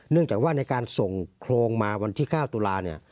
จากว่าในการส่งโครงมาวันที่๙ตุลาเนี่ย